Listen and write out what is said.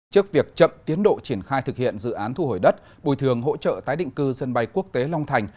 trước việc chậm tiến độ triển khai thực hiện dự án thu hồi đất bồi thường hỗ trợ tái định cư sân bay quốc tế long thành